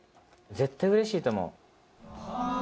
絶対うれしいと思う。